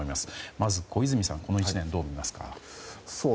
まず小泉さんこの１年をどうみますか。